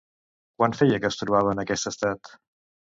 Quant feia que es trobava en aquest estat?